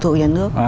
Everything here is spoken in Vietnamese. thuộc về nhà nước